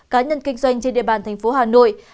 cá nhân kinh doanh trên địa bàn thành phố hà nội